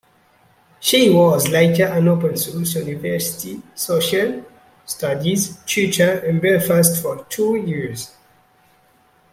She was later an Open University social studies tutor in Belfast for two years.